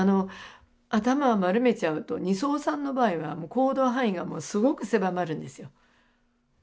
頭を丸めちゃうと尼僧さんの場合は行動範囲がすごく狭まるんですよ。